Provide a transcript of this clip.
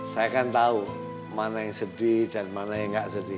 saya kan tahu mana yang sedih dan mana yang tidak sedih